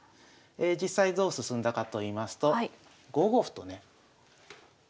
実際どう進んだかといいますと５五歩とね。